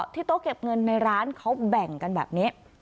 โต๊ะเก็บเงินในร้านเขาแบ่งกันแบบนี้